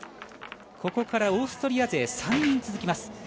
ここからオーストリア勢３人続きます。